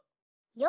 よ